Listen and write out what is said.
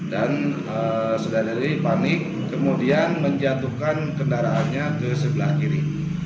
dan sedari dari panik kemudian menjatuhkan kendaraannya ke sebelah kiri